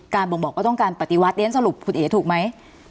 บ่งบอกว่าต้องการปฏิวัติเรียนสรุปคุณเอ๋ถูกไหม